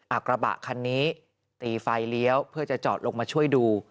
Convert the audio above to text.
กระบะคันนี้ตีไฟเลี้ยวเพื่อจะจอดลงมาช่วยดู